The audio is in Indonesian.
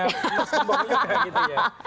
mas gembong juga gitu ya